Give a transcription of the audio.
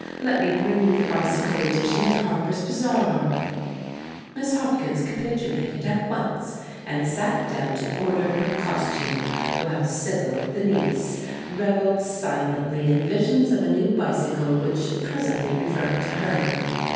Let me bring you the bicycle edition of Harper's Bazar." Miss Hopkins capitulated at once, and sat down to order her costume, while Sibyl, the niece, revelled silently in visions of a new bicycle which should presently revert to her.